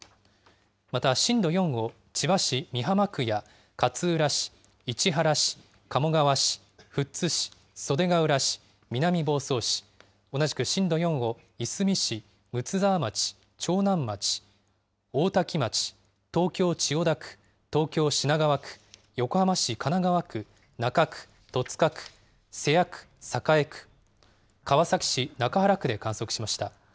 また、震度４を千葉市美浜区や勝浦市、市原市、鴨川市、富津市、袖ケ浦市、南房総市、同じく震度４をいすみ市、睦沢町、長南町、大多喜町、東京・千代田区、東京・品川区、横浜市神奈川区、中区、戸塚区、瀬谷区、栄区、川崎市中原区で観測しました。